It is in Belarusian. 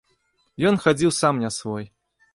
Ён хадзіў сам не свой.